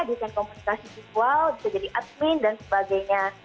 bisa jadi komunikasi visual bisa jadi admin dan sebagainya